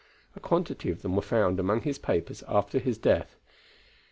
A quantity of them were found among his papers after his death.